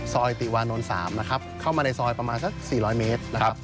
ติวานนท์๓นะครับเข้ามาในซอยประมาณสัก๔๐๐เมตรนะครับ